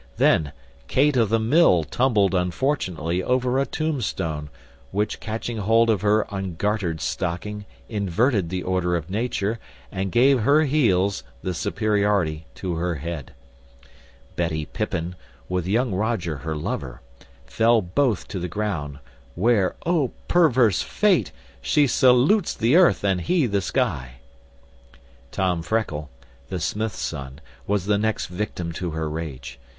Then Kate of the Mill tumbled unfortunately over a tombstone, which catching hold of her ungartered stocking inverted the order of nature, and gave her heels the superiority to her head. Betty Pippin, with young Roger her lover, fell both to the ground; where, oh perverse fate! she salutes the earth, and he the sky. Tom Freckle, the smith's son, was the next victim to her rage.